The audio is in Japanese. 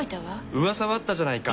うわさはあったじゃないか。